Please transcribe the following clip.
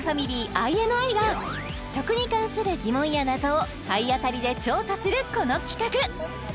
ＩＮＩが食に関する疑問や謎を体当たりで調査するこの企画